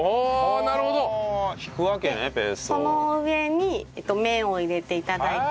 その上に麺を入れて頂いて。